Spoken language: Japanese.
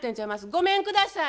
ごめんください。